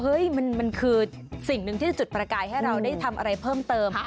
มันคือสิ่งหนึ่งที่จะจุดประกายให้เราได้ทำอะไรเพิ่มเติม